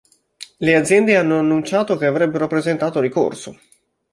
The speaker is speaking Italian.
Le aziende hanno annunciato che avrebbero presentato ricorso.